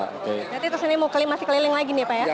jadi itu sini masih keliling lagi nih pak ya